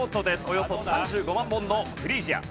およそ３５万本のフリージア。